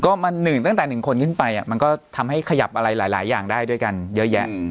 ก็มัน๑ตั้งแต่๑คนขึ้นไปมันก็ทำให้ขยับอะไรหลายอย่างได้ด้วยกันเยอะแยะ